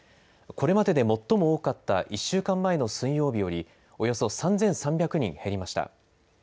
これまでで最も多かった１週間前の水曜日よりおよそ３３００人減りました。